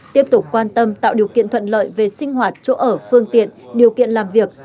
tiếp tục quan tâm tạo điều kiện thuận lợi về sinh hoạt chỗ ở phương tiện điều kiện làm việc